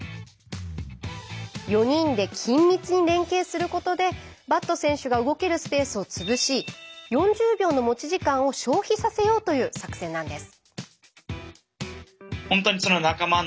４人で緊密に連携することでバット選手が動けるスペースを潰し４０秒の持ち時間を消費させようという作戦なんです。